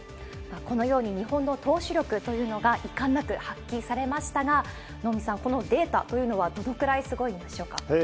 このように、日本の投手力というのがいかんなく発揮されましたが、能見さん、このデータというのはどのぐらいすごいんでしょうか。